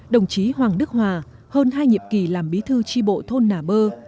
đồng chí hoàng đức hòa hơn hai nhiệm kỳ làm bí thư tri bộ thôn nà bơ